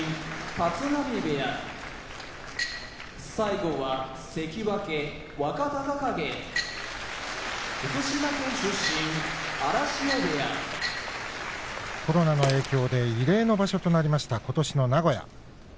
立浪部屋関脇・若隆景福島県出身荒汐部屋コロナの影響で異例の場所となりましたことしの名古屋。